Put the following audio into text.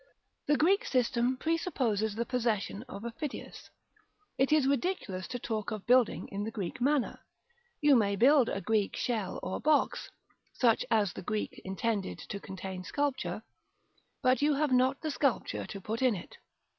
The Greek system presupposes the possession of a Phidias; it is ridiculous to talk of building in the Greek manner; you may build a Greek shell or box, such as the Greek intended to contain sculpture, but you have not the sculpture to put in it.